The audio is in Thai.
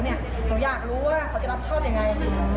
หนูอยากรู้ว่าเขาจะรับชอบยังไง